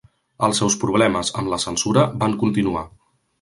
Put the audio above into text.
Els seus problemes amb la censura van continuar.